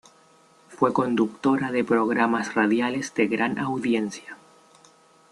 Fue conductora de programas radiales de gran audiencia.